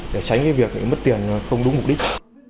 để tránh việc mất tiền không đúng mục đích